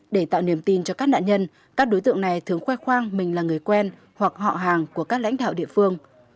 để tạo niềm tin cho các nạn nhân các đối tượng này thường khoe khoang mình là người quen hoặc họ hàng của các lãnh đạo địa phương